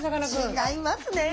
違いますね！